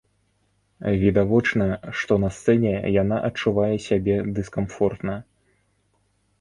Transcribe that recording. Відавочна, што на сцэне яна адчувае сябе дыскамфортна.